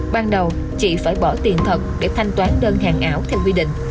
ban đầu chị phải bỏ tiền thật để thanh toán đơn hàng ảo theo quy định